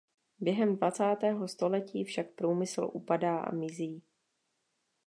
Během dvacátého století však průmysl upadá a mizí.